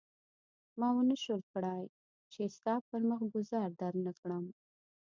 ما ونه شول کړای چې ستا پر مخ ګوزار درنه کړم.